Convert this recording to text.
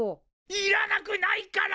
いらなくないから！